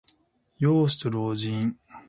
幼子と老人。